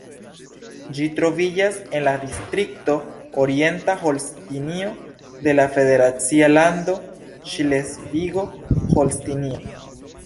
Ĝi troviĝas en la distrikto Orienta Holstinio de la federacia lando Ŝlesvigo-Holstinio.